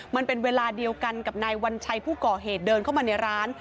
มันเป็นเวลาเดียวกันกับนายวัญชัยผู้ก่อเหตุเดินเข้ามาในร้าน